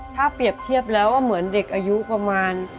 ถ้าเปรียบเทียบแล้วก็เหมือนเด็กอายุประมาณ